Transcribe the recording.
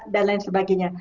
dan lain sebagainya